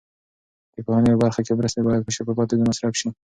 د پوهنې په برخه کې مرستې باید په شفافه توګه مصرف شي.